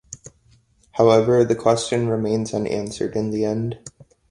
However, the question remains unanswered in the end.